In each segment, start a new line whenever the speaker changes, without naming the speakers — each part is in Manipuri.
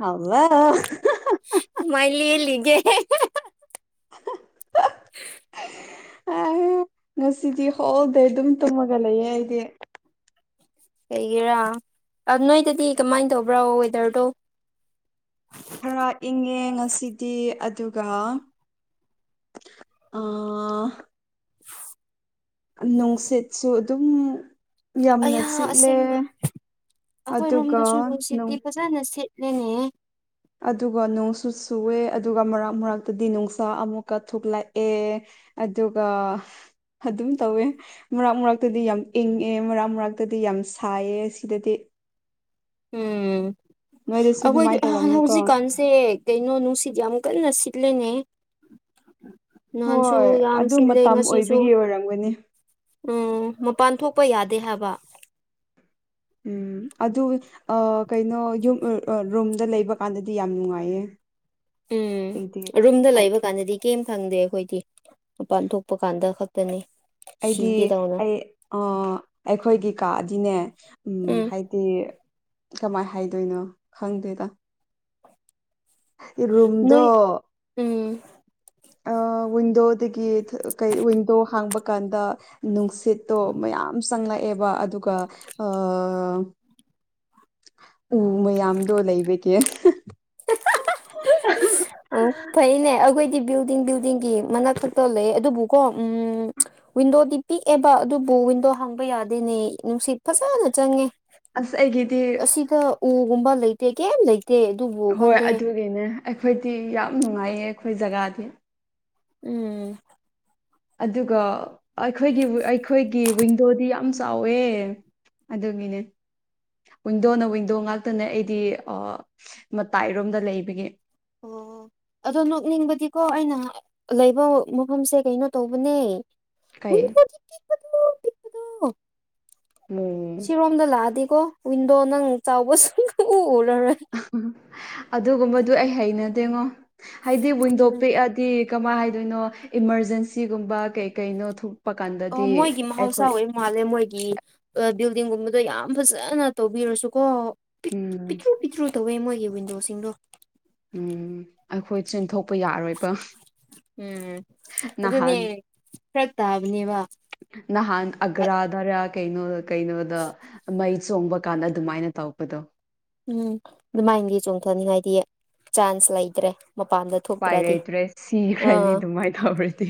ꯍꯧꯂꯣ
ꯀꯃꯥꯏ ꯂꯦꯜꯂꯤꯒꯦ
[inaudible]
[inaudible]
ꯑ ꯉꯁꯤꯗꯤ ꯍꯣꯜꯗꯦ ꯗꯨꯝ ꯇꯨꯝꯃꯒ ꯂꯩꯌꯦ ꯑꯩꯗꯤ
ꯀꯩꯒꯤꯔꯥ ꯑ ꯅꯣꯏꯗꯗꯤ ꯀꯃꯥꯏꯅ ꯇꯧꯕ꯭ꯔꯥ ꯋꯦꯗꯔꯗꯣ
ꯈꯔ ꯏꯪꯉꯦ ꯉꯁꯤꯗꯤ ꯑꯗꯨꯒ ꯑꯥ
[inaudible]
ꯑ ꯅꯨꯡꯁꯤꯠꯁꯨ ꯑꯗꯨꯝ ꯌꯥꯝꯅ
ꯑꯌꯥ
ꯁꯤꯠꯂꯦ
ꯑꯁꯦꯡꯕ
ꯑꯗꯨꯒ ꯅꯨꯡ
ꯖꯅ ꯁꯤꯠꯂꯦꯅꯦ
ꯑꯗꯨꯒ ꯅꯣꯡꯁꯨ ꯆꯨꯌꯦ ꯑꯗꯨꯒ ꯃꯔꯛ ꯃꯔꯛꯇꯗꯤ ꯅꯨꯡꯁꯥ ꯑꯃꯨꯛꯀ ꯊꯣꯛꯂꯛꯑꯦ ꯑꯗꯨꯒ ꯑꯗꯨꯝ ꯇꯧꯋꯦ ꯃꯔꯛ ꯃꯔꯛꯇꯗꯤ ꯌꯥꯝ ꯏꯪꯉꯦ ꯃꯔꯛ ꯃꯔꯛꯇꯗꯤ ꯌꯥꯝ ꯁꯥꯏꯑꯦ ꯁꯤꯗꯗꯤ
ꯎꯝ
ꯅꯣꯏꯗꯁꯨ
ꯑꯩꯈꯣꯏꯗꯤ
ꯑꯗꯨꯃꯥꯏꯅ
ꯑꯥ
ꯇꯧꯔꯝꯅꯤꯀꯣ
ꯍꯧꯖꯤꯛꯀꯥꯟ ꯁꯦ ꯀꯩꯅꯣ ꯅꯨꯡꯁꯤꯠ ꯌꯥꯝ ꯀꯟꯅ ꯁꯤꯠꯂꯦꯅꯦ ꯅꯍꯥꯟꯁꯨ
ꯍꯣꯏ
ꯌꯥꯝ
ꯑꯗꯨ
ꯁꯤꯜꯂꯦ
ꯃꯇꯝ
ꯉꯁꯤꯁꯨ
ꯑꯣꯏꯕꯒꯤ ꯑꯣꯏꯔꯝꯒꯅꯤ
ꯎꯝ ꯃꯄꯥꯟ ꯊꯣꯛꯄ ꯌꯥꯗꯦ ꯍꯥꯏꯕ
ꯎꯝ ꯑꯗꯨ ꯑꯥ ꯀꯩꯅꯣ ꯌꯨꯝ ꯔꯨꯝꯗ ꯂꯩꯕꯀꯥꯟꯗꯗꯤ ꯌꯥꯝ ꯅꯨꯡꯉꯥꯏꯌꯦ
ꯎꯝ
ꯑꯩꯗꯤ
ꯔꯨꯝꯗ ꯂꯩꯕ ꯀꯥꯟꯗꯗꯤ ꯀꯤꯝ ꯈꯪꯗꯦ ꯑꯩꯈꯣꯏꯗꯤ ꯃꯄꯥꯟ ꯊꯣꯛꯄ ꯀꯥꯟꯗ ꯈꯛ ꯇꯅꯦ
ꯑꯩꯗꯤ ꯑꯩ ꯑꯥ ꯑꯩꯈꯣꯏꯒꯤ ꯀꯥꯗꯤꯅꯦ ꯎꯝ ꯍꯥꯏ ꯗꯤ ꯀꯃꯥꯏ ꯍꯥꯏꯗꯣꯏꯅꯣ ꯈꯪꯗꯣꯏꯗ ꯔꯨꯝꯗꯣ
ꯅꯣꯏ ꯎꯝ
ꯑ ꯋꯤꯟꯗꯣꯗꯒꯤ ꯀꯩ ꯋꯤꯟꯗꯣ ꯍꯥꯡꯕ ꯀꯥꯟꯗ ꯅꯨꯡꯁꯤꯠ ꯁꯤꯠꯇꯣ ꯃꯌꯥꯝ ꯆꯪꯂꯛꯑꯦꯕ ꯑꯗꯨꯒ ꯑ ꯎ ꯃꯌꯥꯝꯗꯣ ꯂꯩꯕꯒꯤ
ꯑꯣ ꯐꯩꯌꯦꯅꯦ ꯑꯩꯈꯣꯏꯗꯤ ꯕꯤꯜꯗꯤꯡ ꯕꯤꯜꯗꯤꯡꯒꯤ ꯃꯅꯥꯛ ꯈꯛꯇ ꯂꯩ ꯑꯗꯨꯕꯨꯀꯣ ꯎꯝ ꯋꯤꯟꯗꯣꯗꯤ ꯄꯤꯛꯑꯦꯕ ꯑꯗꯨꯕꯨ ꯋꯤꯟꯗꯣ ꯍꯥꯡꯕ ꯌꯥꯗꯦꯅꯦ ꯅꯨꯡꯁꯤꯠ ꯐꯖꯅ ꯆꯪꯉꯦ
ꯑꯁ ꯑꯩꯒꯤꯗꯤ
ꯑꯁꯤꯗ ꯎꯒꯨꯝꯕ ꯂꯩꯇꯦ ꯀꯤꯝ ꯂꯩ [unintelligible]
ꯍꯣꯏ ꯑꯗꯨꯒꯤꯅꯦ ꯑꯩꯈꯣꯏꯗꯤ ꯌꯥꯝ ꯅꯨꯡꯉꯥꯏꯌꯦ ꯑꯩꯈꯣꯏ ꯖꯒꯥꯗꯤ
ꯎꯝ
ꯑꯗꯨꯒ ꯑꯩꯈꯣꯏꯒꯤ ꯑꯩꯈꯣꯏꯒꯤ ꯋꯤꯟꯗꯣꯗꯤ ꯌꯥꯝ ꯆꯥꯎꯋꯦ ꯑꯗꯨꯒꯤꯅꯦ ꯋꯤꯟꯗꯣꯅ ꯋꯤꯟꯗꯣ ꯉꯥꯛꯇꯅꯦ ꯑꯩꯗꯤ ꯑ ꯃꯇꯥꯏꯔꯣꯝꯗ ꯂꯩꯕꯒꯤ
ꯑꯣ ꯑꯗꯣ ꯅꯣꯛꯅꯤꯡꯕꯗꯤꯀꯣ ꯑꯩꯅ ꯂꯩꯕ ꯃꯐꯝꯁꯦ ꯀꯩꯅꯣ ꯇꯧꯕꯅꯦ
ꯀꯩ
[unintelligible]
ꯎꯝ
ꯁꯤꯔꯣꯝꯗ ꯂꯥꯛꯑꯗꯤꯀꯣ ꯋꯤꯟꯗꯣ ꯅꯪ ꯆꯥꯎꯕꯁꯨꯈꯪ ꯎꯂꯔꯣꯏ
ꯑꯗꯨꯒꯨꯝꯕꯗꯨ ꯑꯩ ꯍꯩꯅꯗꯦꯉꯣ ꯍꯥꯏꯗꯤ ꯋꯤꯟꯗꯣ
ꯎꯝ
ꯄꯤꯛꯑ ꯇꯤ ꯀꯃꯥꯏ ꯍꯥꯏꯗꯣꯏꯅꯣ ꯏꯃꯥꯔꯖꯦꯟꯁꯤꯒꯨꯝꯕ ꯀꯩ ꯀꯩꯅꯣ ꯄ
ꯑꯣ
ꯀꯥꯟꯗꯗꯤ
ꯃꯣꯏꯒꯤ ꯃꯍꯧꯁꯥ
ꯑꯩꯈꯣꯏ
ꯑꯣꯏ ꯃꯥꯜꯂꯦ ꯃꯣꯏꯒꯤ ꯕꯤꯜꯗꯤꯡꯒꯨꯝꯕꯗꯣ ꯌꯥꯝ ꯐꯖꯅ ꯇꯧꯕꯤꯔꯁꯨ ꯀꯣ
ꯎꯝ
ꯄꯤꯠꯇ꯭ꯔꯨ ꯄꯤꯠꯇ꯭ꯔꯨ ꯇꯧꯋꯦ ꯃꯣꯏꯒꯤ ꯋꯤꯟꯗꯣꯁꯤꯡꯗꯣ
ꯎꯝ ꯑꯩꯈꯣꯏ ꯆꯦꯟꯊꯣꯛꯄ ꯌꯥꯔꯣꯏꯕ ꯅꯍꯥꯟ
ꯐꯔꯠ꯭ ꯇꯥꯕꯥ ꯅꯦꯟ
ꯅꯍꯥꯟ ꯑꯒ꯭ꯔꯥ ꯗꯔꯥ ꯀꯩꯅꯣ ꯀꯩꯅꯣꯗ ꯃꯩ ꯆꯣꯡꯕ ꯀꯥꯟꯗ ꯗꯨꯃꯥꯏꯅ ꯇꯧꯄꯗꯣ
ꯎꯝ ꯑꯗꯨꯃꯥꯏꯅꯗꯤ ꯆꯣꯡꯊꯅꯤꯡꯉꯥꯏꯗꯤ ꯆꯥꯟꯁ ꯂꯩꯇ꯭ꯔꯦ ꯃꯄꯥꯟꯗ
ꯎꯄꯥꯏ
ꯊꯣꯛꯇ꯭ꯔꯗꯤ
ꯂꯩꯇ꯭ꯔꯦ ꯁꯤꯈ꯭ꯔꯅꯤ
ꯑꯥ
ꯗꯨꯃꯥꯏ ꯇꯧꯔꯗꯤ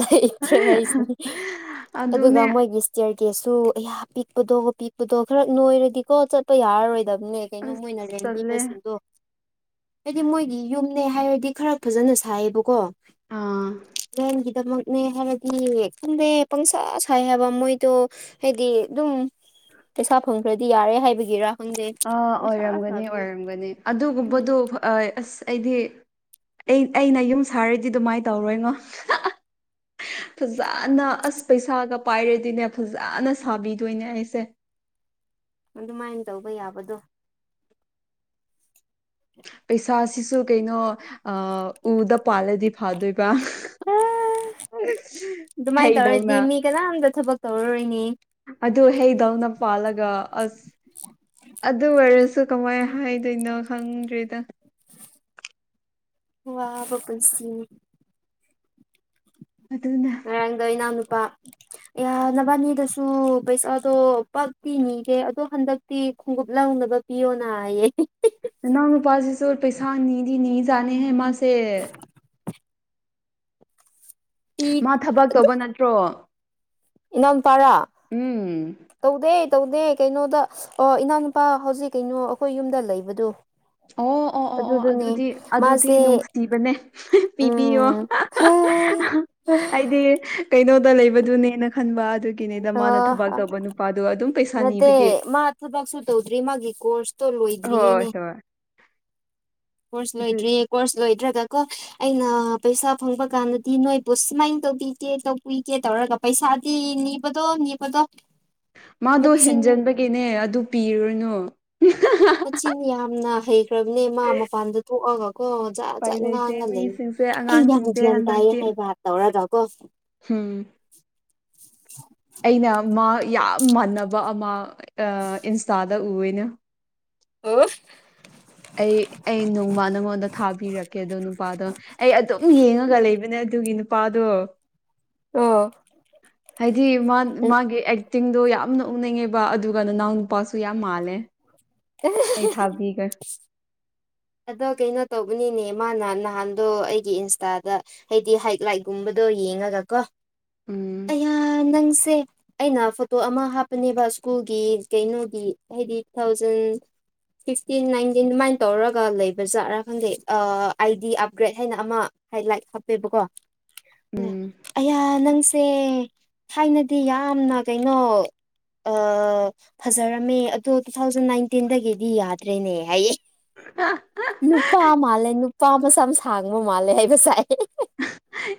ꯂꯩꯇ꯭ꯔꯦ ꯍꯥꯏꯁꯤꯅꯤ
ꯑꯗꯨꯅꯦ
ꯇꯌꯔ ꯒꯦꯁꯁꯨ ꯑꯩꯌꯥ ꯄꯤꯛꯄꯗꯣ ꯄꯤꯛꯄꯗꯣ ꯈꯔ ꯅꯣꯏꯔꯗꯤꯀꯣ ꯆꯠꯄ ꯌꯥꯔꯔꯣꯏꯗꯕꯅꯦ ꯀꯉꯝ ꯑꯣꯏꯅ
ꯑꯁ ꯇꯜꯂꯦ
ꯔꯦꯟꯕꯤꯕꯁꯤꯡꯗꯣ ꯏꯗꯤ ꯃꯣꯏꯒꯤ ꯌꯨꯝꯅꯦ ꯍꯥꯏꯔꯗꯤ ꯈꯔ ꯐꯖꯅ ꯁꯥꯏꯌꯦꯕꯀꯣ
ꯑꯥ
ꯂꯣꯟꯒꯤꯗꯃꯛ ꯅꯦ ꯍꯥꯏꯔꯥꯗꯤ ꯈꯪꯗꯦ ꯄꯪꯁꯥ ꯁꯥꯏ ꯍꯥꯏꯕ ꯃꯣꯏꯗꯣ ꯍꯥꯏꯗꯤ ꯗꯨꯝ ꯄꯩꯁꯥ ꯐꯪꯈ꯭ꯔꯗꯤ ꯌꯥꯔꯦ ꯍꯥꯏꯕꯒꯤꯔ ꯍꯪꯗꯦ
ꯑꯥ ꯑꯣꯏꯔꯝꯒꯅꯤ ꯑꯣꯏꯔꯝꯒꯅꯤ
ꯎꯝ
ꯑꯗꯨꯒꯨꯝꯕꯗꯨ ꯑꯁ ꯑꯩꯗꯤ ꯑꯩꯅ ꯌꯨꯝ ꯁꯥꯔꯗꯤ ꯗꯨꯃꯥꯏ ꯇꯧꯔꯣꯏ ꯉꯣ ꯐꯖꯅ ꯑꯁ ꯄꯩꯁꯥꯒ ꯄꯥꯏꯔꯗꯤꯅꯦ ꯐꯖꯅ ꯁꯥꯕꯤꯗꯣꯏꯅꯦ ꯑꯩꯁꯦ
ꯑꯗꯨꯃꯥꯏꯟ ꯇꯧꯕ ꯌꯥꯕꯗꯣ
ꯄꯩꯁꯥꯁꯤꯁꯨ ꯀꯩꯅꯣ ꯑꯥ ꯎꯗ ꯄꯥꯜꯂꯗꯤ ꯐꯗꯣꯏꯕ
ꯑꯥ ꯗꯨꯃꯥꯏꯟ ꯇꯧꯔꯗꯤ
ꯍꯩꯗꯧꯅ
ꯃꯤ ꯀꯅꯥꯝꯇ ꯊꯕꯛ ꯇꯧꯔꯔꯣꯏꯅꯤ
ꯑꯗꯨ ꯍꯩꯗꯧꯅ ꯄꯥꯟꯂꯒ ꯑꯁ ꯑꯗꯨ ꯑꯣꯏꯔꯁꯨ ꯀꯃꯥꯏꯅ ꯍꯥꯏꯗꯣꯏꯅꯣ ꯈꯪꯗ꯭ꯔꯦꯗ
ꯋꯥꯕ ꯄꯨꯟꯁꯤ ꯅꯤ
ꯑꯗꯨꯅ
[unintelligible] ꯏꯅꯥꯎꯅꯨꯄꯥ ꯑꯥꯌ ꯅꯕꯥꯟꯅꯤꯗꯁꯨ ꯄꯩꯁꯥꯗꯣ ꯄꯞꯇꯤ ꯅꯤꯒꯦ ꯑꯗꯣ ꯍꯟꯗꯛꯇꯤ ꯈꯣꯡꯎꯞ ꯂꯧꯅꯕ ꯄꯤꯌꯣꯅ ꯑꯌꯦ
ꯅꯥ
ꯄꯤ
ꯃꯥ ꯊꯕꯛ ꯇꯧꯕ ꯅꯠꯇ꯭ꯔꯣ
ꯏꯅꯥꯎꯝꯄꯥꯔꯥ
ꯎꯝ
ꯇꯧꯗꯦ ꯇꯧꯗꯦ ꯀꯩꯅꯣꯗ ꯑꯣ ꯏꯅꯥꯎꯅꯨꯄꯥ ꯍꯧꯖꯤꯛ ꯀꯩꯅꯣ ꯑꯩꯈꯣꯏ ꯌꯨꯝꯗ ꯂꯩꯕꯗꯨ
ꯑꯣ ꯑꯣ ꯑꯣ ꯑꯣ
ꯑꯗꯨꯗꯨꯅꯦ
ꯑꯗꯨꯗꯤ ꯑꯗꯨꯗꯤ
ꯃꯥꯁꯦ
ꯅꯨꯡꯁꯤꯕꯅꯦ ꯄꯤꯕꯤꯌꯣ
ꯎꯝ
ꯑꯩꯗꯤ ꯀꯩꯅꯣꯗ ꯂꯩꯕꯗꯨꯅꯦꯅ ꯈꯟꯕ ꯑꯗꯨꯒꯤꯅꯤꯗ
ꯑ
ꯃꯥꯅ ꯊꯕꯛ ꯇꯧꯕ ꯅꯨꯄꯥꯗꯣ ꯑꯗꯨꯝ ꯄꯩꯁꯥ
ꯅꯠꯇꯦ
ꯅꯤꯕꯒꯤ
ꯃꯥ ꯊꯕꯛ ꯁꯨ ꯇꯧꯗ꯭ꯔꯤ ꯃꯥꯒꯤ ꯀꯣꯔꯁ ꯇꯣ
ꯍꯣꯏ
ꯂꯣꯏꯗ꯭ꯔꯤꯌꯦꯅꯦ
ꯍꯣꯏ
ꯀꯣꯔꯁ
ꯑꯗꯨ
ꯂꯣꯏꯗ꯭ꯔꯤꯌꯦ ꯀꯣꯔꯁ ꯂꯣꯏꯗ꯭ꯔꯒꯀꯣ ꯑꯩꯅ ꯄꯩꯁꯥ ꯐꯪꯕ ꯀꯥꯟꯗꯗꯤ ꯅꯣꯏꯕꯨ ꯁꯨꯃꯥꯏꯅ ꯇꯧꯕꯤꯒꯦ ꯇꯧꯕꯤꯒꯦ ꯇꯧꯔꯒ ꯄꯩꯁꯥꯗꯤ ꯅꯤꯕꯗꯣ ꯅꯤꯕꯗꯣ
ꯃꯥꯗꯣ
ꯃꯆꯤꯟ
ꯍꯦꯟꯖꯟꯕꯒꯤꯅꯦ ꯑꯗꯨ ꯄꯤꯔꯨꯔꯥꯅꯨ
ꯃꯆꯤꯟ ꯌꯥꯝꯅ ꯍꯩꯈ꯭ꯔꯕꯅꯦ ꯃꯥ ꯃꯄꯥꯟꯗ ꯊꯣꯛꯑꯒ ꯀꯣ ꯖꯥ
ꯎꯄꯥꯏ
ꯖꯥꯠ
ꯂꯩꯇꯦ
ꯉꯥꯡꯉꯥ ꯂꯩ
ꯃꯤꯁꯤꯡꯁꯦ
ꯑꯩ ꯌꯥꯝ
ꯑꯉꯥꯡꯁꯤꯡꯁꯦ
ꯒꯥꯌꯟ ꯇꯥꯏꯌꯦ ꯍꯥꯏꯕ ꯇꯧꯔꯗ꯭ꯔꯀꯣ
ꯍꯨꯝ ꯑꯩꯅ ꯃꯥ ꯌꯥꯝ ꯃꯥꯟꯅꯕ ꯑꯃ ꯑꯥ ꯏꯟꯁꯇꯥꯗ ꯎꯌꯦꯅ
ꯑꯣ
ꯑꯩ ꯑꯩ ꯅꯣꯡꯃ ꯅꯉꯣꯟꯗ ꯊꯥꯕꯤꯔꯛꯀꯦ ꯑꯗꫭ ꯅꯨꯄꯥꯗꯣ ꯑꯩ ꯑꯗꯨꯝ ꯌꯦꯡꯉꯒꯥ ꯂꯩꯕꯅꯦ ꯑꯗꯨꯒꯤ ꯅꯨꯄꯥꯗꯣ
ꯑꯣ
ꯍꯥꯏꯗꯤ ꯃꯥ ꯃꯥꯒꯤ ꯑꯦꯛꯇꯤꯡꯗꯣ ꯌꯥꯝꯅ ꯎꯅꯤꯡꯉꯦꯕ ꯑꯗꯨꯒ ꯅꯅꯥꯎ ꯅꯨꯄꯥꯁꯨ ꯌꯥꯝ ꯃꯥꯜꯂꯦ ꯑꯩ ꯊꯥꯕꯤꯒꯦ
ꯑꯗꯣ ꯀꯩꯅꯣ ꯇꯧꯕꯅꯤꯅꯦ ꯃꯥꯅ ꯅꯍꯥꯟꯗꯣ ꯑꯩꯒꯤ ꯏꯟꯁꯇꯥꯗꯥ ꯍꯥꯏꯗꯤ ꯍꯥꯏꯠ ꯂꯥꯏꯛꯒꯨꯝꯕꯗꯣ ꯌꯦꯡꯉꯒ ꯀꯣ
ꯎꯝ
ꯑꯌꯥ ꯅꯪꯁꯦ ꯑꯩꯅ ꯐꯣꯇꯣ ꯑꯃꯥ ꯍꯥꯞꯄꯅꯦꯕ ꯏꯁ꯭ꯀꯨꯜꯒꯤ ꯀꯩꯅꯣꯒꯤ ꯍꯥꯏꯗꯤ ꯇꯨ ꯊꯥꯎꯖꯟ ꯐꯤꯞꯇꯤꯟ ꯅꯥꯏꯟꯇꯤꯟ ꯑꯗꯨꯃꯥꯏꯅ ꯇꯧꯔꯥ [unintelligible] ꯂꯩꯕ ꯖꯥꯠꯔꯥ ꯈꯪꯗꯦ ꯑꯥ ꯑꯥꯏꯗꯤ ꯑꯞꯒ꯭ꯔꯦꯗ ꯍꯥꯏꯅ ꯑꯃꯥ ꯍꯥꯏ ꯂꯥꯏꯛ ꯍꯥꯞꯄꯦꯕꯀꯣ
ꯎꯝ
ꯑꯌꯥ ꯅꯪꯁꯦ ꯊꯥꯏꯅꯗꯤ ꯌꯥꯝꯅ ꯀꯩꯅꯣ ꯑꯥ ꯐꯖꯔꯝꯃꯦ ꯑꯗꯣ ꯇꯨ ꯊꯥꯎꯖꯟ ꯅꯥꯏꯟꯇꯤꯟꯗꯒꯤꯗꯤ ꯌꯥꯗ꯭ꯔꯦꯅꯦ ꯍꯥꯏꯌꯦ
ꯑ [unintelligible]
ꯅꯨꯄꯥ ꯃꯥꯜꯂꯦ ꯅꯨꯄꯥ ꯃꯁꯝ ꯁꯥꯡꯕ ꯃꯥꯜꯂꯦ ꯍꯥꯏꯕꯁꯥꯏ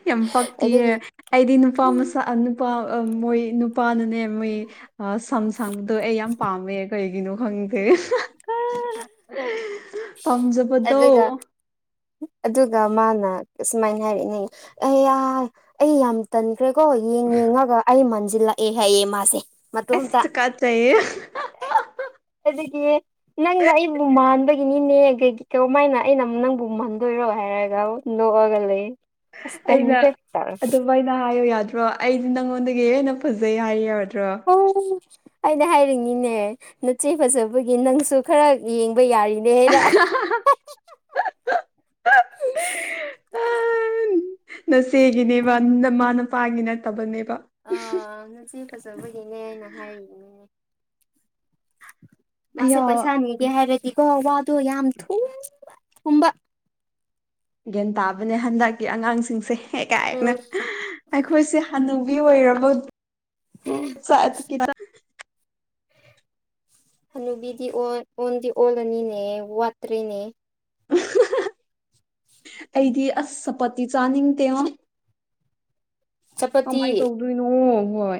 ꯌꯥꯝ ꯄꯛꯇꯤꯌ‌ꯦ ꯑꯩꯗꯤ ꯅꯨꯄꯥ
ꯎꯝ
ꯃꯁꯝ ꯑꯥ ꯅꯨꯄꯥ ꯑꯝ ꯃꯣꯏ ꯅꯨꯄꯥꯅꯅꯦ ꯃꯣꯏ ꯑꯥ ꯁꯝ ꯁꯥꯡꯕꯗꯣ ꯑꯩ ꯌꯥꯝ ꯄꯥꯝꯃꯦ ꯀꯩꯒꯤꯅꯣ ꯈꯪꯗꯦ ꯄꯥꯝꯖꯕꯥ
ꯑꯗꯨꯒꯥ ꯑꯗꯨꯒ ꯃꯥꯅ ꯑꯁꯨꯃꯥꯏꯅ ꯍꯥꯏꯕꯅꯦ ꯑꯩ ꯌꯥꯝ ꯑꯩ ꯌꯥꯝ ꯇꯟꯈ꯭ꯔꯦꯀꯣ ꯌꯦꯡ ꯌꯦꯡꯉꯒ ꯑꯩ ꯃꯟꯁꯤꯜꯂꯛꯑꯦ ꯍꯥꯏꯌꯦ ꯃꯥꯁꯦ
ꯑꯁ
ꯃꯇꫭꯝꯇꯥ
ꯇꯨꯀꯠꯆꯩꯌꯦ
ꯑꯗꯨꯗꯤ ꯅꯪꯅ ꯑꯩꯕꯨ ꯃꯥꯟꯕꯒꯤꯅꯤꯅꯦ [unintelligible] ꯀꯧ ꯃꯥꯏꯅ ꯑꯩꯅ ꯅꯪꯕꯨ ꯃꯥꯟꯗꯣꯏꯔꯣ ꯍꯥꯏꯔꯒ ꯅꯣꯛꯑꯒ ꯂꯩ ꯑꯁ
ꯑꯩꯅ
ꯇꯟꯈꯔ‌ꯦ ꯇꯧꯔ‌ꯦ
[unintelligible] ꯍꯥꯏꯌꯣ ꯌꯥꯗ꯭ꯔꯣ ꯑꯩꯗꯤ ꯅꯪꯉꯣꯟꯗꯒꯤ ꯍꯦꯟꯅꯥ ꯐꯖꯩ ꯍꯥꯏꯌꯨ ꯌꯥꯗ꯭ꯔꯥ
ꯑꯣ [unintelligible] ꯑꯩꯅ ꯍꯥꯏꯔꯤꯉꯤꯅꯦ ꯅꯆꯦ ꯐꯖꯕꯒꯤ ꯅꯪꯁꯨ ꯈꯔ ꯌꯦꯡꯕ ꯌꯥꯔꯤꯅꯤ
[unintelligible] ꯅꯆꯦꯒꯤꯅꯦꯕ ꯅꯃꯥ ꯅꯄꯥꯒꯤ ꯅꯠꯇꯕꯅꯦꯕꯥ
ꯑꯥ ꯅꯆꯦ ꯐꯖꯕꯒꯤꯅꯦ ꯑꯩꯅ ꯍꯥꯏꯅꯤꯅꯦ ꯃꯥꯁꯦ
ꯑꯌꯥ
ꯄꯩꯁꯥ ꯅꯤꯒꯦ ꯍꯥꯏꯔꯗꯤꯀꯣ ꯋꯥꯗꯣ ꯌꯥꯝ ꯊꯨꯝꯕ ꯊꯨꯝꯕ
ꯒ꯭ꯌꯥꯟ ꯇꯥꯕꯅꯦ ꯍꯟꯗꯛꯀꯤ ꯑꯉꯥꯡꯁꯤꯡꯁꯦ ꯍ‌ꯦꯛ ꯀꯥꯏꯅ
ꯎꯝ
ꯑꯩꯈꯣꯏꯁꯦ ꯍꯥꯟꯅꯨꯕꯤ ꯑꯣꯏꯔꯕ [unintelligible]
ꯍꯅꯨꯕꯤꯗꯤ ꯑꫭꯟ ꯑꯣꯟꯗꯤ ꯑꯣꯜꯂꯅꯤꯅꯦ ꯋꯥꯠꯇ꯭ꯔꯦꯅꯦ
ꯑꯩꯗꯤ ꯑꯁ ꯄꯄꯇꯤ ꯆꯅꯤꯡꯗ‌ꯦꯉꫭ
ꯆꯄꯇꯤ
ꯀꯃꯥꯏ ꯇꯧꯗꯣꯏꯅꯣ ꯍꯣꯏ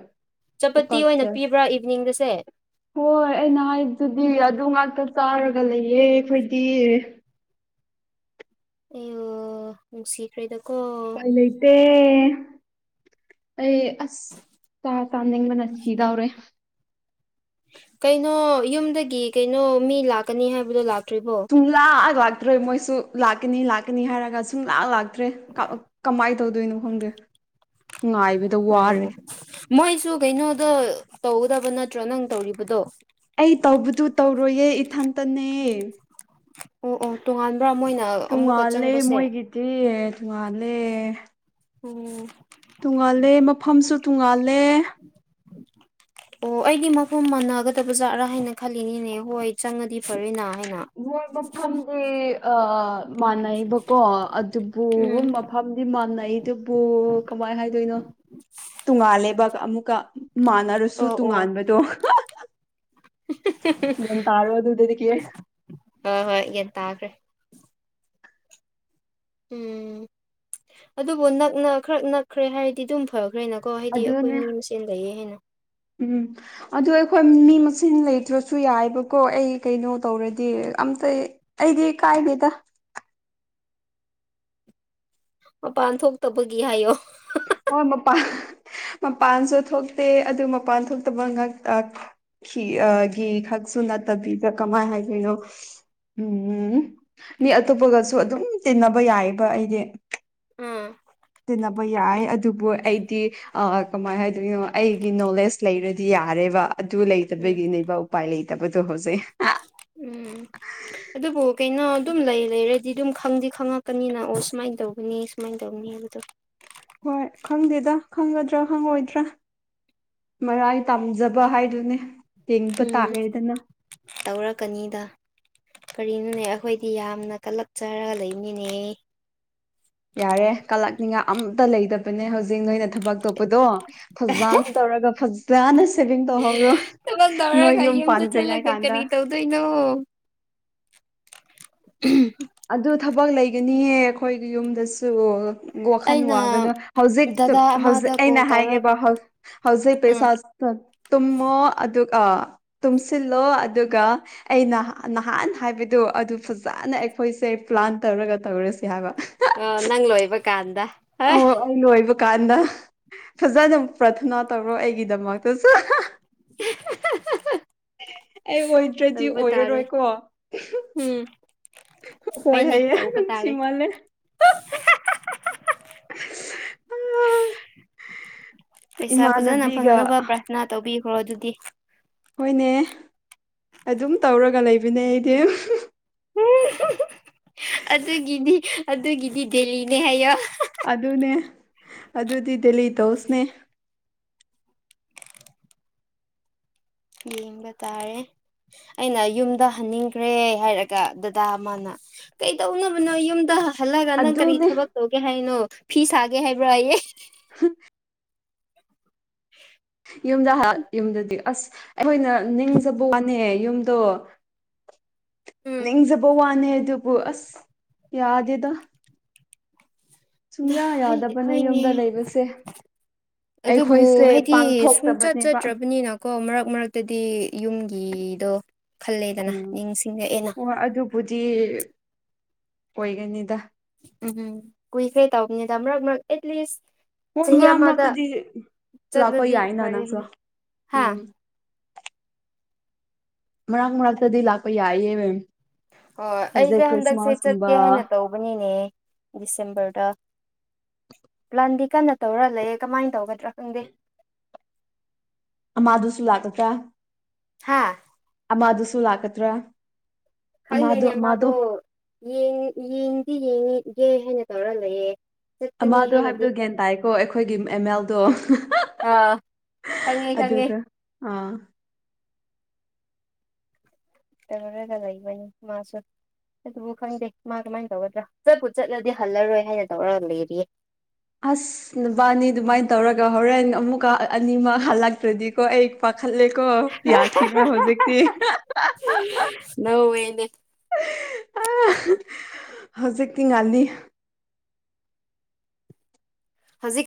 ꯆꯄꯇꯤ ꯑꯣꯏꯅ
ꯇꯨꯀꯠꯆꯩ
ꯄꯤꯕ꯭ꯔꯥ ꯏꯚꯤꯅꯤꯡꯗꯁꯦ
ꯍꯣꯏ ꯑꯩꯅ ꯍꯥꯏꯗꯨꯗꯤ ꯑꯗꯨ ꯉꯥꯛꯇ ꯆꯥꯔꯒ ꯂꯩꯌꯦ ꯑꯩꯈꯣꯏꯗꯤ
ꯑꯦꯌ‌ꫭ ꯅꯨꯡꯁꯤꯈ꯭ꯔꯦꯗꯀꯣ
ꯇ‌ꯦ ꯑꯩ ꯑꯁ ꯆꯥꯛ ꯆꯥꯅꯤꯡꯕꯅ ꯁꯤꯗꯧꯔꯦ
ꯀꯩꯅꯣ ꯌꯨꯝꯗꯒꯤ ꯀꯩꯅꯣ ꯃꯤ ꯂꯥꯛꯀꯅꯤ ꯍꯥꯏꯕꯗꯣ ꯂꯥꯛꯇ꯭ꯔꯤꯕꯣ
ꯁꯨꯡꯂꯥꯛ ꯂꯥꯛꯇ꯭ꯔ‌ꯦ ꯃꯣꯏꯁꯨ ꯂꯥꯛꯀꯅꯤ ꯂꯥꯛꯀꯅꯤ ꯍꯥꯏꯔꯒ ꯁꯨꯡꯂꯥꯛ ꯂꯥꯛ ꯇ꯭ꯔꯦ ꯀꯃꯥꯏ ꯇꯧꯗꯣꯏꯅꯣ ꯈꯪꯗꯦ ꯉꯥꯏꯕꯗ ꯋꯥꯔꯦ
ꯎꯝ ꯃꯣꯏꯁꯨ ꯀꯩꯅꯣꯗ ꯇꯧꯒꯗꯕ ꯅꯠꯇ꯭ꯔꯥ ꯅꯪ ꯇꯧꯔꯤꯕꯗꯣ
ꯑꯩ ꯇꯧꯕꯗꯨ ꯇꯧꯔꯣꯏꯌꯦ ꯏꯊꯟꯇꯅꯦ
ꯑꯣ ꯑꯣ ꯇꯣꯉꯥꯟꯕ꯭ꯔꯥ ꯃꯣꯏꯅ ꯑꯃꯨꯛꯀ
ꯇꯣꯉꯥꯜꯂꯦ
ꯆꯪꯕꯁꯦ
ꯃꯣꯏꯒꯤꯗꯤ ꯇꯣꯉꯥꯜꯂꯦ
ꯎꯝ
ꯇꯣꯡꯉꯥꯜꯂꯦ ꯃꯐꯝꯁꯨ ꯇꯣꯡꯉꯥꯜꯂꯦ
ꯑꯣ ꯑꯩꯗꯤ ꯃꯐꯝ ꯃꯥꯟꯅꯒꯗꯕ ꯖꯥꯠꯔꯥ ꯍꯥꯏꯅ ꯈꯜꯂꯤꯅꯤꯅꯦ ꯍꯣꯏ ꯆꯪꯉꯗꯤ ꯐꯔꯦꯅꯥ ꯍꯥꯏꯅ
ꯃꯣꯏ ꯃꯐꯝꯗꯤ ꯑ ꯃꯥꯟꯅꯩꯕꯀꯣ ꯑꯗꯨꯕꯨ
ꯎꯝ
ꯃꯐꯝꯗꯤ ꯃꯥꯟꯅꯩꯗꯨꯕꯨ ꯀꯃꯥꯏ ꯍꯥꯏꯗꯣꯏꯅꯣ ꯇꯣꯉꯥꯜꯂꯦꯕꯒ ꯑꯃꯨꯛꯀ ꯃꯥꯟꯅꯔꯁꯨ
ꯑꯣ ꯑꯣ
ꯇꯣꯉꯥꯟꯕꯗꯨ
[unintelligible]
ꯒ꯭ꯌꯥꯟ ꯇꯥꯔꯕ ꯑꯗꯨꯗꯗꯤ ꯀꯤ
ꯍꯣꯏ ꯍꯣꯏ ꯒ꯭ꯌꯥꯟ ꯇꯥꯈ꯭ꯔꯦ ꯎꯝ ꯑꯗꯨꯕꯨ ꯅꯛꯅ ꯈꯔꯛ ꯅꯛꯈ꯭ꯔꯦ ꯍꯥꯏꯗꯤ ꯗꯨꯝ ꯐꯈ꯭ꯔꯦꯅꯀꯣ ꯍꯥꯏꯗꯤ ꯑꯈꯣꯏ
ꯑꯗꯨꯅꯦ
ꯃꯤ ꯃꯁꯦꯟ ꯂꯩꯌꯦ ꯍꯥꯏꯅ
ꯎꯝ ꯑꯗꯨ ꯑꯈꯣꯏ ꯃꯤ ꯃꯁꯦꯡ ꯂꯩꯇ꯭ꯔꯁꯨ ꯌꯥꯏꯕꯀꯣ ꯑꯩ ꯀꯩꯅꯣ ꯇꯧꯔꯗꯤ ꯑꯝꯇ ꯑꯩꯗꯤ ꯀꯥꯏꯗꯦꯗ
ꯃꯄꯥꯟ ꯊꯣꯛꯇꯕꯒꯤ ꯍꯥꯏꯌꯣ
ꯍꯣꯏ ꯃꯄꯥꯟ ꯃꯄꯥꯟꯁꯨ ꯊꯣꯛꯇꯦ ꯑꯗꯨ ꯃꯄꯥꯟ ꯊꯣꯛꯇꯕ ꯉꯛꯇ ꯈꯤ ꯑꯥ ꯒꯤ ꯈꯛꯁꯨ ꯅꯠꯇꯕꯤꯕ ꯀꯃꯥꯏ ꯍꯥꯏꯗꫭꯏꯅꯣ ꯎꯝ ꯃꯤ ꯑꯇꯣꯞꯄꯒꯁꯨ ꯑꯗꯨꯝ ꯇꯤꯟꯅꯕ ꯌꯥꯏꯌꯦꯕ ꯑꯩꯗꯤ
ꯎꯝ
ꯇꯤꯟꯅꯕ ꯌꯥꯏ ꯑꯗꯨꯕꯨ ꯑꯩꯗꯤ ꯑꯥ ꯑ ꯀꯃꯥꯏ ꯍꯥꯏꯗꯣꯏꯅꯣ ꯑꯩꯒꯤ ꯅꯣꯂꯦꯖ ꯂꯩꯔꯗꯤ ꯌꯥꯔꯦꯕ ꯑꯗꯨ
ꯎꯝ
ꯂꯩꯇꯕꯒꯤꯅꯦꯕ ꯎꯄ ꯄꯥꯏ ꯂꯩꯇꯕꯗꯨ ꯍꯧꯖꯤꯛ
ꯎꯝ ꯑꯗꯨꯕꯨ ꯀꯩꯅꯣ ꯑꯗꯨꯝ ꯂꯩ ꯂꯩꯔꯗꯤ ꯑꯗꯨꯝ ꯈꯪꯗꯤ ꯈꯪꯉꯛꯀꯅꯤꯅ ꯑꯣ ꯁꯨꯃꯥꯏꯟ ꯇꯧꯒꯅꯤ ꯁꯨꯃꯥꯏꯟ ꯇꯧꯅꯤ ꯍꯥꯏꯕꯗꯣ
ꯍꯣꯏ ꯈꯪꯗꯦꯗ ꯈꯪꯒꯗ꯭ꯔꯥ ꯈꯪꯉꯣꯏꯗ꯭ꯔꯥ ꯃꯔꯥꯏ ꯇꯥꯝꯖꯕ ꯍꯥꯏꯗꯨꯅꯤ
ꯎꯝ ꯇꯧꯔꯛꯀꯅꯤꯗ ꯀꯔꯤꯅꯣꯅꯦ ꯑꯈꯣꯏꯗꯤ ꯌꯥꯝꯅ ꯀꯂꯛꯆꯔꯒ ꯂꯩꯕꯅꯤꯅꯦ
ꯌꯥꯔꯦ ꯀꯜꯂꯛꯅꯤꯡꯉꯥꯏ ꯑꯝꯇ ꯂꯩꯇꯕꯅꯦ ꯍꯧꯖꯤꯛ ꯅꯣꯏꯅ ꯊꯕꯛ ꯇꯣꯛꯄꯗꯣ ꯐꯖꯥꯟ ꯇꯧꯔꯒ ꯐꯖ ꯖꯥꯅ ꯁꯦꯚꯤꯡ ꯇꯧꯍꯧꯔꯣ
ꯊꯕꯛ
ꯅꯣꯏ ꯌꯨꯝ ꯄꯥꯟꯗ꯭ꯔꯤꯉꯩ ꯀꯥꯟꯗ
ꯗꯣꯢꯅꯣ [unintelligible]
ꯑꯗꯨ ꯊꯕꯛ ꯂꯩꯒꯅꯤꯌꯦ ꯑꯈꯣꯏꯒꯤ ꯌꯨꯝꯗꯁꯨ ꯋꯥꯈꯜ
ꯑꯩꯅ
ꯋꯥꯒꯅꯨ ꯍꯧꯖꯤꯛ
ꯗꯗꯥ
ꯍꯧꯖꯤꯛ
ꯑꯃꯗ ꯀꯣꯜ
ꯑꯩꯅ ꯍꯥꯏꯒꯦꯕ
ꯇꯧꯔꯒ
ꯍꯧꯖꯤ ꯍꯧꯖꯤꯛ
ꯎꯝ
ꯄꯩꯁꯥ [unintelligible] ꯇꯨꯝꯃꯣ ꯑꯗꯨꯒ ꯇꯨꯡꯁꯤꯜꯂꯣ ꯑꯗꯨꯒ ꯑꯩ ꯅꯍꯥꯟ ꯅꯍꯥꯟ ꯍꯥꯏꯕꯗꯣ ꯑꯗꯨ ꯐꯖꯟꯅ ꯑꯦꯄ ꯑꯈꯣꯏꯁꯦ ꯄ꯭ꯂꯥꯟ ꯇꯧꯔꯒ ꯇꯧꯔꯁꯤ ꯍꯥꯏꯕ
ꯑ ꯅꯪ ꯂꯣꯏꯕ ꯀꯥꯟꯗ [unintelligible]
ꯑꯣ ꯑꯩ ꯂꯣꯏꯕ ꯀꯥꯟꯗ ꯐꯖꯅ ꯄ꯭ꯔꯊꯅꯥ ꯇꯧꯔꯣ ꯑꯩꯒꯤꯗꯃꯛꯇꯁꯨ [unintelligible]
[unintelligible]
ꯑꯩ ꯑꯣꯏꯗ꯭ꯔꯗꯤ
ꯇꯧꯕ ꯇꯥꯔꯦ
ꯑꯣꯏꯔꯔꯣꯏꯀꯣ [unintelligible]
ꯎꯝ
ꯍꯣꯏ
ꯍꯣꯏꯅꯦ
ꯍꯥꯏ
ꯇꯧꯕ
ꯅꯪ
ꯇꯥꯔꯦ
ꯁꯤꯃꯂꯦ
ꯄꯩꯁꯥ ꯐꯖꯅ
ꯏꯃꯥꯟꯅꯕꯤꯒ
ꯐꯪꯅꯕ ꯄ꯭ꯔꯥꯊꯅꯥ ꯇꯧꯕꯤꯈ꯭ꯔꯣ ꯑꯗꯨꯗꯤ
ꯍꯣꯏꯅꯦ ꯑꯗꯨꯝ ꯇꯧꯔꯒ ꯂꯩꯕꯅꯦ ꯑꯩꯗꯤ
ꯑꯗꯨꯒꯤꯗꯤ ꯑꯗꯨꯒꯤꯗꯤ ꯗꯦꯜꯂꯤꯅꯦ ꯍꯥꯏꯌꯣ
ꯑꯗꯨꯅꯦ ꯑꯗꯨꯗꯤ ꯗꯦꯂꯤ ꯇꯧꯁꯅꯦ
ꯌꯦꯡꯕ ꯇꯥꯔꯦ ꯑꯩꯅ ꯌꯨꯝꯗ ꯍꯟꯅꯤꯡꯈ꯭ꯔꯦ ꯍꯥꯏꯔꯒ ꯗꯗꯥ ꯑꯃꯅ ꯀꯩ ꯇꯧꯅꯕꯅꯣ ꯌꯨꯝꯗ ꯈꯜꯂꯒ ꯅꯪ ꯀꯔꯤ
ꯑꯗꯨꯅꯦ
ꯊꯕꯛ ꯇꯧꯒꯦ ꯍꯥꯏꯅꯣ ꯐꯤ ꯁꯥꯒꯦ ꯍꯥꯏꯕ꯭ꯔꯥꯌꯦ
ꯎꯝ
[inaudible]
ꯌꯨꯝꯗ ꯌꯨꯝꯗꯗꯤ ꯑꯁ ꯑꯩꯈꯣꯏꯅ ꯅꯤꯡꯖꯕ ꯋꯥꯅꯦ ꯌꯨꯝꯗꯣ
ꯎꯝ
ꯅꯤꯡꯖꯕ ꯋꯥꯅꯦꯗꯤꯕꯨꯁ ꯌꯥꯗꯦꯗ ꯁꯨꯡꯌꯥ ꯌꯥꯗꯕꯅꯦ
ꯍꯣꯏꯅꯦ
ꯌꯨꯝꯗ ꯂꯩꯕꯁꯦ
ꯑꯗꯨꯕꯨ
ꯑꯩꯈꯣꯏꯁꯦ
ꯍꯥꯏꯗꯤ ꯁꯨꯡꯆꯠ
ꯄꯥꯡꯊꯣꯛꯇꯕꯅꯦꯕ
ꯆꯠꯇ꯭ꯔꯕꯅꯤꯅ ꯀꯣ ꯃꯔꯛ ꯃꯔꯛꯇꯗꯤ ꯌꯨꯝꯒꯤꯗꯣ ꯈꯜꯂꯦꯗꯅ ꯅꯤꯡꯁꯤꯡꯉꯛꯑꯦꯅ
ꯕꯨꯗꯤ ꯑꯣꯏꯒꯅꯤꯗ
ꯎꯝꯝ ꯀꯨꯏꯈ꯭ꯔꯦ ꯇꯧꯕꯅꯤꯗ ꯃꯔꯛ ꯃꯔꯛ ꯑꯦꯠꯂꯤꯁ
ꯍꯣꯏ
ꯆꯍꯤ
ꯃꯔꯛ
ꯑꯃꯗ
ꯃꯔꯛꯇꯗꯤ ꯂꯥꯛꯄ
ꯆꯠꯂꯗꯤ
ꯌꯥꯏꯅ
ꯐꯔꯦ
ꯅꯪꯁꯨ
ꯍꯥ
ꯎꯝ ꯃꯛ ꯃꯔꯛꯇꯗꯤ ꯂꯥꯛꯄ ꯌꯥꯏꯌꯦ ꯅꯪ
ꯍꯣꯏ ꯑꯩꯁꯦ ꯍꯟꯗꯛꯁꯦ ꯆꯠꯀꯦ ꯍꯥꯏꯅ ꯇꯧꯕꯅꯤꯅꯦ ꯗꯤꯁꯦꯝꯕꯔꯗ ꯄ꯭ꯂꯥꯟꯗꯤ ꯀꯟꯅ ꯇꯧꯔ ꯂꯩꯌꯦ ꯀꯃꯥꯏ ꯇꯧꯒꯗ꯭ꯔꯥ ꯈꯪꯗꯦ
ꯑꯃꯥꯗꯨꯁꯨ ꯂꯥꯛꯀꯗ꯭ꯔꯥ
ꯍꯥꯥ
ꯑꯃꯥꯗꯨꯁꯨ ꯂꯥꯛꯀꯗ꯭ꯔꯥ ꯑꯃꯗꯣ
ꯈꯪꯗꯦꯅꯦ
ꯑꯃꯗꯣ
ꯃꯥꯗꯣ ꯌꯦꯡ ꯌꯦꯡꯗꯤ ꯌꯦꯡꯉꯒꯦ ꯍꯥꯏꯅ ꯇꯧꯔ ꯂꯩꯌꯦ ꯆꯠꯀꯅꯤ
ꯑꯃꯥꯗꯣ
ꯍꯥꯏꯅꯗꯤ
ꯍꯥꯏꯕꯗꯣ ꯒ꯭ꯌꯥꯟ ꯇꯥꯏꯀꯣ ꯑꯩꯈꯣꯏꯒꯤ ꯑꯦꯝ ꯑꯦꯜꯗꯣ
ꯑꯥ ꯈꯪꯉꯦ ꯈꯪꯉꯦ
ꯑꯗꯨꯗ ꯑꯥ
ꯃꯥꯁꯨꯨ ꯑꯗꯨꯕꯨ ꯈꯪꯗꯦ ꯃꯥ ꯀꯃꯥꯏꯅ ꯇꯧꯒꯗ꯭ꯔꯥ ꯆꯠꯄꯨ ꯆꯠꯂꯗꯤ ꯍꯜꯂꯔꯣꯏ ꯍꯥꯏꯅ ꯇꯧꯔꯒ ꯂꯩꯔꯤꯌꯦ
ꯑꯁ ꯅꯨꯕꯥꯅꯤ ꯗꯨꯃꯥꯏ ꯇꯧꯔꯒ ꯍꯣꯔꯦꯟ ꯑꯃꯨꯛꯀ ꯑꯅꯤꯃꯛ ꯍꯜꯂꯛꯇ꯭ꯔꯗꯤꯀꯣ ꯑꯩ ꯄꯥꯈꯠꯂꯦꯀꯣ ꯌꯥꯈ꯭ꯔꯤꯗ꯭ꯔ ꯍꯧꯖꯤꯛꯇꯤ
ꯅꯧꯋꯦꯅꯦ
ꯍꯧꯖꯤꯛꯇꯤ ꯉꯜꯅꯤ
ꯍꯧꯖꯤꯛ